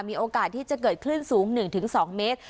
มีโอกาสที่จะเกิดคลื่นสูง๑๒เมตร